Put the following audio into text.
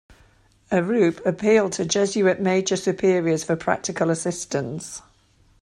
Arrupe appealed to Jesuit major superiors for practical assistance.